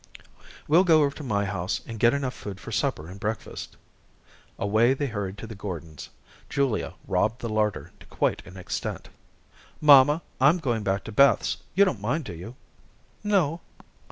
"We'll go over to my house, and get enough food for supper and breakfast." Away they hurried to the Gordons. Julia robbed the larder to quite an extent. "Mamma, I'm going back to Beth's. You don't mind, do you?" "No."